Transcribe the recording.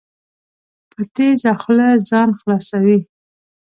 په تېزه خوله ځان خلاصوي.